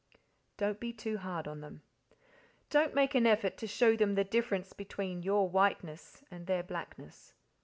Don't be too hard on them. Don't make an effort to show them the difference between your whiteness and their blackness.